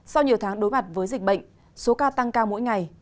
sau nhiều tháng đối mặt với dịch bệnh số ca tăng cao mỗi ngày